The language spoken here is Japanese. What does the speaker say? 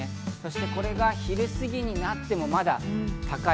これが昼過ぎになっても、まだ高い。